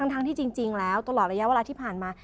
ทั้งที่จริงแล้วตลอดระยะเวลาที่ผ่านมา